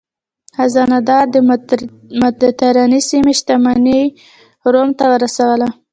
خزانه دارو د مدترانې سیمې شتمني روم ته ورسوله.